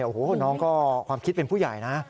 โอ้โหน้องก็ความคิดเป็นผู้ใหญ่นะ